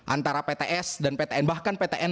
antara pts dan ptn bahkan ptn